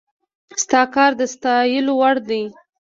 ستا کار د ستايلو وړ دی